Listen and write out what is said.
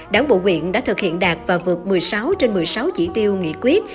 đảng bộ quyện đã thực hiện đạt và vượt một mươi sáu trên một mươi sáu chỉ tiêu nghị quyết